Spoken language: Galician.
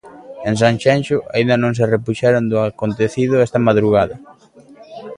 En Sanxenxo aínda non se repuxeron do acontecido esta madrugada.